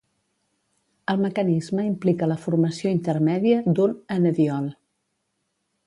El mecanisme implica la formació intermèdia d'un "enediol".